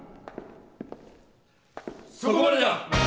そこまでだ！